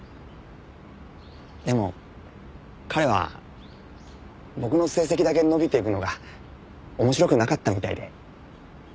でも彼は僕の成績だけ伸びていくのが面白くなかったみたいで。